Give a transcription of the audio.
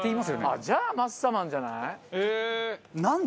じゃあマッサマンじゃない？